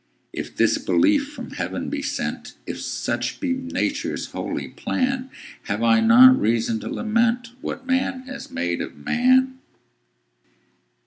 If this belief from heaven be sent, If such be Nature's holy plan, Have I not reason to lament What man has made of man?